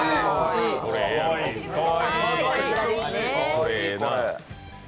これ、ええな。